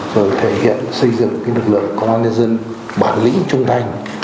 rồi thể hiện xây dựng lực lượng công an nhân dân bản lĩnh trung thành